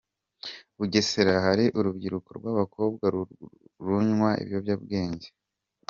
Bugesera Hari urubyiruko rw’abakobwa runywa ibiyobyabwenge